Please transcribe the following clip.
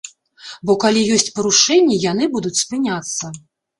Бо калі ёсць парушэнні, яны будуць спыняцца.